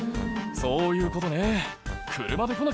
そういうことね。